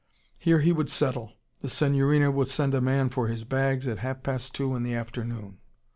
Here he would settle. The signorina would send a man for his bags, at half past two in the afternoon.